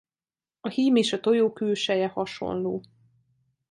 A hím és a tojó külseje hasonló.